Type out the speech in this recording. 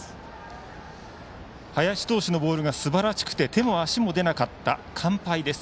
林投手のボールがすばらしくて手も足も出なかった、完敗です。